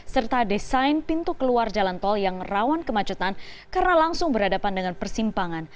serta desain pintu keluar jalan tol yang rawan kemacetan karena langsung berhadapan dengan persimpangan